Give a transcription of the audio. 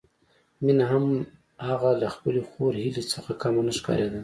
مينه هم هغه له خپلې خور هيلې څخه کمه نه ښکارېده